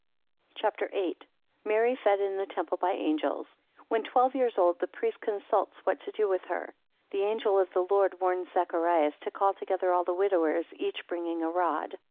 CHAPTER VIII. 2 Mary fed in the temple by angels. 3 When twelve years old the priests consult what to do with her. 6 The angel of the Lord warns Zacharias to call together all the widowers, each bringing a rod.